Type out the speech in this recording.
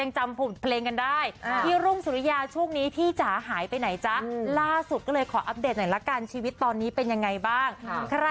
จริงนังนังตังค์